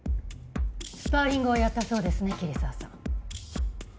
スパーリングをやったそうですね桐沢さん。